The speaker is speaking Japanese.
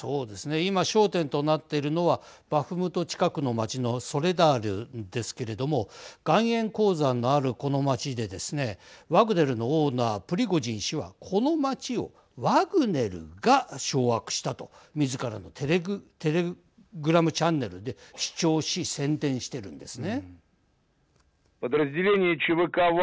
今、焦点となっているのはバフムト近くの町のソレダールですけれども岩塩鉱山のあるこの町でですねワグネルのオーナープリゴージン氏はこの町をワグネルが掌握したと、みずからのテレグラムチャンネルで主張し宣伝しているんですね。